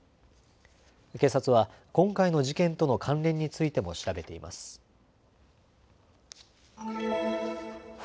警察は今回の事件との関連についても調べています。